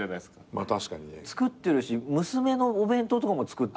まあ確かにね。作ってるし娘のお弁当とかも作ってるじゃないですか。